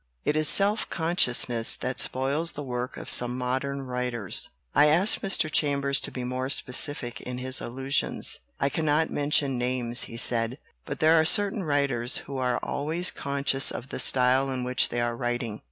79 LITERATURE IN THE MAKING It is self consciousness that spoils the work of some modern writers." I asked Mr. Chambers to be more specific in his allusions. "I cannot mention names," he said, "but there are certain writers who are always conscious of the style in which they are writing.